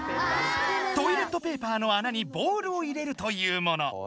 トイレットペーパーの穴にボールを入れるというもの。